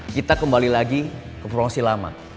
kita kembali lagi ke prongsi lama